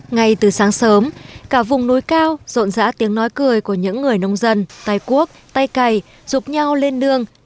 ngay từ sáng sớm cả vùng núi cao rộn rã tiếng nói cười của những người nông dân tay cuốc tay cày giúp nhau lên nương